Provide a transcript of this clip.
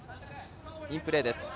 インプレーです。